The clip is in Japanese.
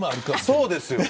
そうですよ。